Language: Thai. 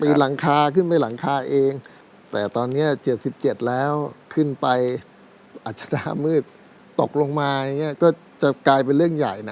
หลังคาขึ้นไปหลังคาเองแต่ตอนนี้๗๗แล้วขึ้นไปอาจจะหน้ามืดตกลงมาอย่างนี้ก็จะกลายเป็นเรื่องใหญ่นะ